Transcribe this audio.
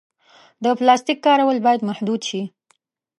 د پلاسټیک کارول باید محدود شي.